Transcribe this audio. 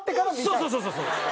そうそうそうそうそう。